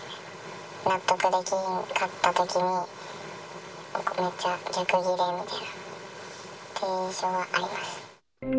納得できなかったときに、めっちゃ逆ギレみたいなする印象はあります。